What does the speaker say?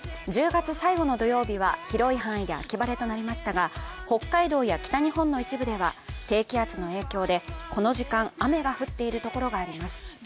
１０月最後の土曜日は広い範囲で秋晴れとなりましたが、北海道や北日本の一部では、低気圧の影響でこの時間、雨が降っている所があります。